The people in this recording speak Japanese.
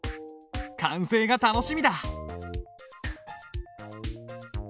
完成が楽しみだ。